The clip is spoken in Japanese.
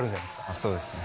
そうですね。